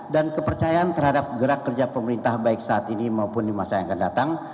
dan kepercayaan terhadap gerak kerja pemerintah baik saat ini maupun di masa yang akan datang